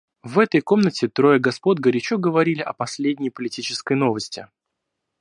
В этой комнате трое господ горячо говорили о последней политической новости.